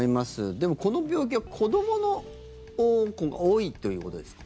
でも、この病気は子どもが多いということですか？